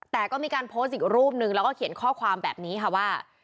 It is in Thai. แต่ก็มีการโพสต์อีกรูปนึงแล้วก็เขียนข้อความแบบนี้ค่ะว่า